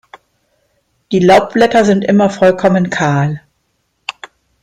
Die Laubblätter sind immer vollkommen kahl.